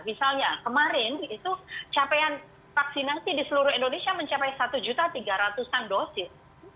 misalnya kemarin itu capaian vaksinasi di seluruh indonesia mencapai satu tiga ratus an dosis